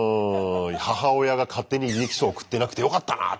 母親が勝手に履歴書送ってなくてよかったなって。